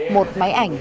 một máy ảnh